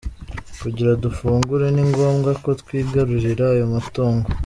Kugira dufungure, ni ngombwa ko twigarurira ayo matongo.